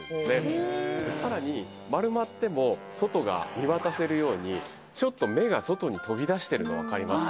へぇさらに丸まっても外が見渡せるようにちょっと目が外に飛び出してるの分かりますか？